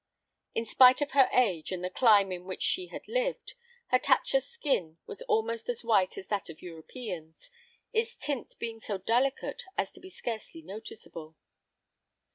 In spite of her age and the clime in which she ad lived, Hatatcha's skin was almost as white as that of Europeans, its tint being so delicate as to be scarcely noticeable.